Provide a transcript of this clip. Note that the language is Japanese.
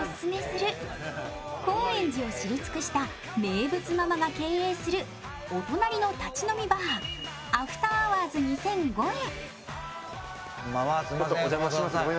高円寺を知り尽くした名物ママが経営するお隣の立ち飲みバーアフターアワーズ２００５へ。